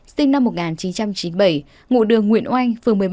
sinh năm một nghìn chín trăm chín mươi bảy ngụ đường nguyễn oanh phường một mươi bảy